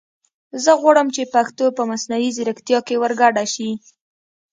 زه غواړم چې پښتو په مصنوعي زیرکتیا کې ور ګډه شي